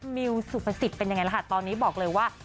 มิวสุภาษิตเป็นยังไงล่ะค่ะตอนนี้บอกเลยว่า